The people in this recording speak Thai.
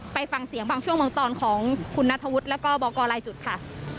ไปฟังเสียงบางช่วงบางตอนของคุณนัทธวุฒิแล้วก็บอกกรลายจุดค่ะ